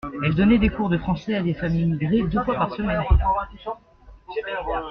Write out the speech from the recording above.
Elle donnait des cours de français à des femmes immigrées deux fois par semaine.